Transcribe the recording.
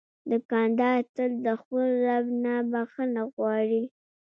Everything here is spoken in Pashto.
دوکاندار تل د خپل رب نه بخښنه غواړي.